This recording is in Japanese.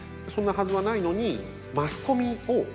そんなはずはないのにマスコミを。